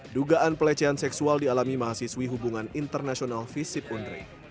dugaan pelecehan seksual dialami mahasiswi hubungan internasional visipundri